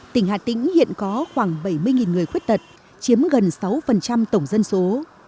tỉnh hà tĩnh hiện có khoảng bảy mươi người khuyết tật chiếm gần sáu tổng dân số